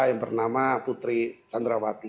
yang bernama putri canrawati